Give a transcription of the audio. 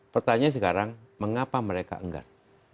pertanyaan sekarang mengapa mereka enggan